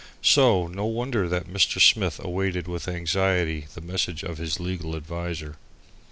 So no wonder that Mr. Smith awaited with anxiety the message of his legal adviser.